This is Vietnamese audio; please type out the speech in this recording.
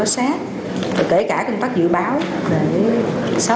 rồi kể cả công tác dự báo để sáu tháng cuối năm chúng ta có thể đánh giá cho đúng cho nó xác